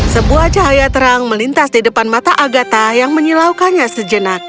sebuah cahaya terang melintas di depan mata agatha yang menyilaukannya sejenak